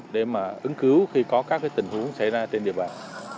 để mà ứng cứu khi có các tình huống xảy ra trên địa bàn